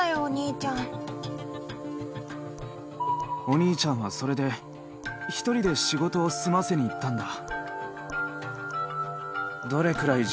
お兄ちゃんはそれで一人で仕事を済ませにいったんだ。